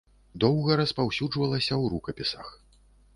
Доўга распаўсюджвалася ў рукапісах.